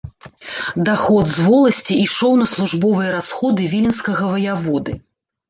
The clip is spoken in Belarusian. Даход з воласці ішоў на службовыя расходы віленскага ваяводы.